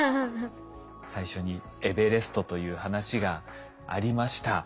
最初にエベレストという話がありました。